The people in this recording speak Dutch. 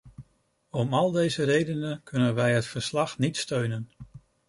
Om al deze redenen kunnen wij het verslag niet steunen.